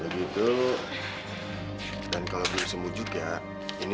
jangan sampai tidak behavior mamamu ini